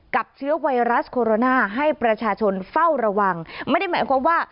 เชื้อไวรัสโคโรนาให้ประชาชนเฝ้าระวังไม่ได้หมายความว่า